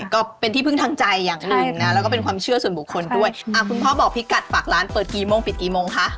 ก็เป็นที่พึ่งทางใจอย่างหนึ่งนะแล้วก็เป็นความเชื่อส่วนบุคคลด้วยอ่าคุณพ่อบอกพี่กัดฝากร้านเปิดกี่โมงปิดกี่โมงคะ